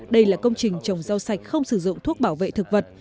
đây là công trình trồng rau sạch không sử dụng thuốc bảo vệ thực vật